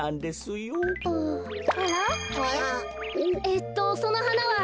えっとそのはなは。